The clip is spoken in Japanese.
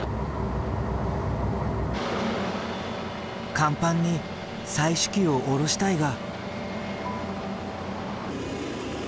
甲板に採取機を下ろしたいが。